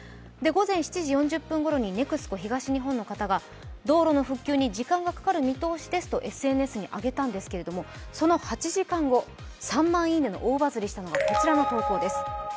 午前７時４０分ごろにＮＥＸＣＯ東日本の方が道路の復旧に時間がかかる見通しですとＳＮＳにあげたんですけど、その８時間後、３万いいねの大バズりしたのがこちらの投稿です。